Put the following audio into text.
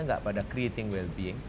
enggak pada creating well being